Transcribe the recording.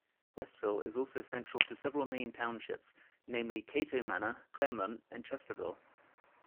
Westville is also central to several main townships, namely Cato Manor, Claremont and Chesterville.